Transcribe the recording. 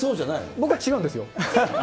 僕は違うんですよ。